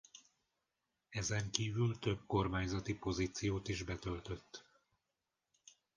Ezenkívül több kormányzati pozíciót is betöltött.